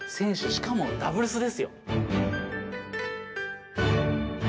しかもダブルスですよ。